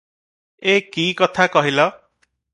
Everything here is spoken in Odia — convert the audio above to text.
ଏ କି କଥା କହିଲ!